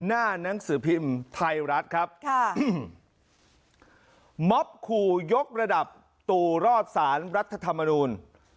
หน้านังสือพิมพ์ไทยรัฐครับค่ะม็อบขู่ยกระดับตู่รอดสารรัฐธรรมนูล